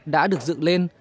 đã được dựng lên